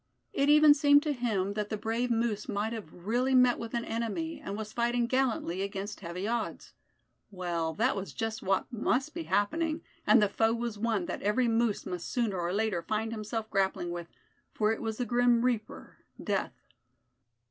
It even seemed to him that the brave moose might have really met with an enemy, and was fighting gallantly against heavy odds. Well, that was just what must be happening; and the foe was one that every moose must sooner or later find himself grappling with; for it was the grim reaper, death.